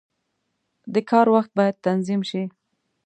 • د کار وخت باید تنظیم شي.